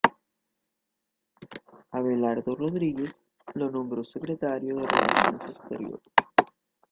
Abelardo L. Rodríguez lo nombró Secretario de Relaciones Exteriores.